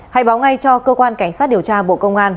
hãy báo ngay cho cơ quan cảnh sát điều tra bộ công an